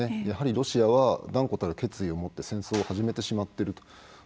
やはりロシアは断固たる決意を持って戦争を始めてしまっていると。